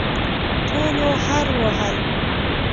ټولو هررر وهل.